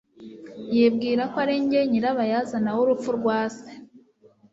Yibwira ko ari njye nyirabayazana w'urupfu rwa se.